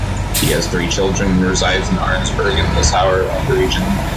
He has three children and resides in Arnsberg in the Sauerland region.